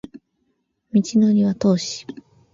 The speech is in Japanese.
道程は遠し